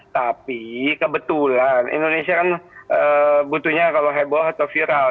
tapi kebetulan indonesia kan butuhnya kalau heboh atau viral